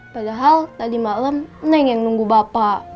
padahal tadi malam neng yang nunggu bapak